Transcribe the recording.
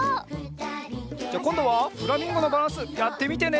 じゃこんどはフラミンゴのバランスやってみてね。